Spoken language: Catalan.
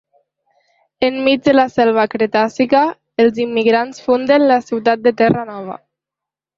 Enmig de la selva cretàcica, els immigrants funden la ciutat de Terra Nova.